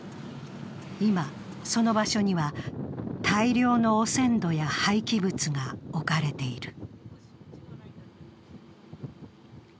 今、その場所には大量の汚染土や廃棄物が置かれている。